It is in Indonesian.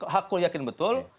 hakul yakin betul